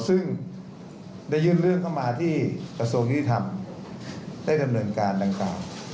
ซึ่งได้ยื่นเรื่องเข้ามาที่กระทรวงยุติธรรมได้ดำเนินการดังกล่าว